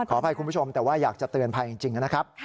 อภัยคุณผู้ชมแต่ว่าอยากจะเตือนภัยจริงนะครับ